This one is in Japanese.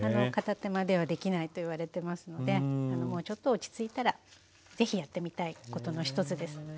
片手間ではできないといわれてますのでもうちょっと落ち着いたら是非やってみたいことの一つです。